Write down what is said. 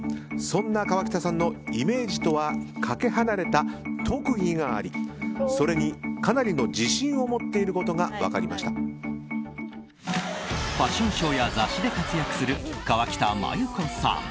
そんな河北さんのイメージとはかけ離れた特技がありそれにかなりの自信を持っていることがファッションショーや雑誌で活躍する河北麻友子さん。